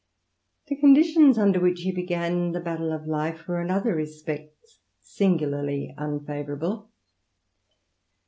le conditions under which he began the battle of rere in other respects singularly unfavourable.